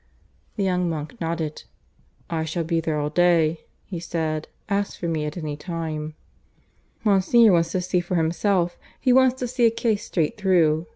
The young monk nodded. "I shall be there all day," he said. "Ask for me at any time." "Monsignor wants to see for himself. He wants to see a case straight through.